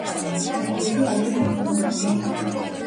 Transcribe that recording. მოგოლები არიან მუსლიმანი სუნიტები.